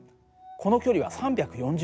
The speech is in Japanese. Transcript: この距離は３４０ｍ。